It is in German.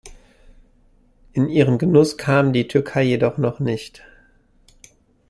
In ihren Genuss kam die Türkei jedoch noch nicht.